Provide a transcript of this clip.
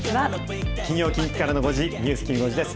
金曜、近畿からの５時、ニュースきん５時です。